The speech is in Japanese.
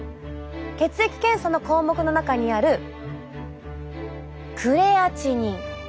血液検査の項目の中にあるクレアチニン。